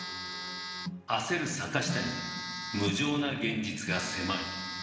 焦る坂下に無情な現実が迫る。